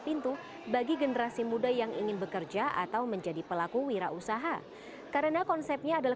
pintu bagi generasi muda yang ingin bekerja atau menjadi pelaku wira usaha karena konsepnya adalah